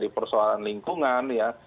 persoalan lingkungan ya